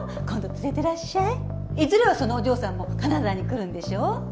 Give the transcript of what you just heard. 今度連れてらっしゃいいずれはそのお嬢さんも金沢に来るんでしょ？